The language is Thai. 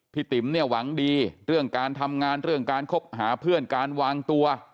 ติ๋มเนี่ยหวังดีเรื่องการทำงานเรื่องการคบหาเพื่อนการวางตัว